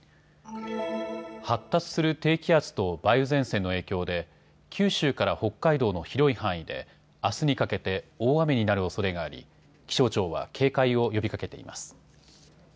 発達する低気圧と梅雨前線の影響で九州から北海道の広い範囲であすにかけて大雨になるおそれがあり気象庁は警戒を呼びかけています。